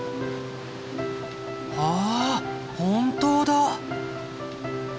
あ本当だ！